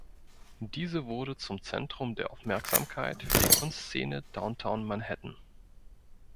Diese wurde zum Zentrum der Aufmerksamkeit für die Kunstszene downtown Manhattan.